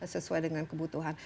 sesuai dengan kebutuhan